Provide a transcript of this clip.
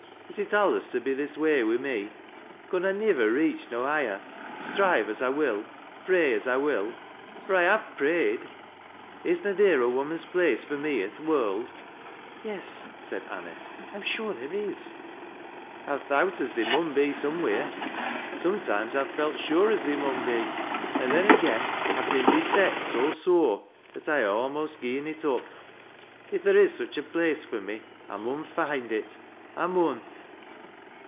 Is it alius to be this way wi' me ? Con I nivver reach no higher, strive as I will, pray as I will, — fur I have prayed 1 Is na theer a woman's place fur me i' th' world ?"" Yes," said Anice, " I ain sure there is." " I've thowt as theei mun be somewheer. Sometimes I've felt sure as theer mun be, an' then agen I've been beset so sore that I ha' almost gi'en it up. • If there i« such 1 place fur me I mun find it — I mun